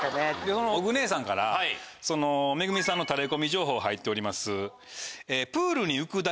そのおぐねぇーさんからＭＥＧＵＭＩさんのタレコミ情報入っております。